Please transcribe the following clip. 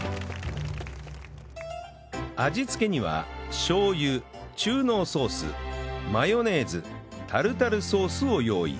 味付けにはしょう油中濃ソースマヨネーズタルタルソースを用意